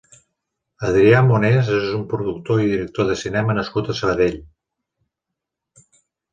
Adrià Monés és un productor i director de cinema nascut a Sabadell.